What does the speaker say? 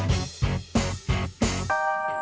gak ada apa apa